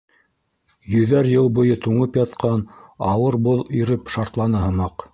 Йөҙәр йыл буйы туңып ятҡан ауыр боҙ иреп шартланы һымаҡ.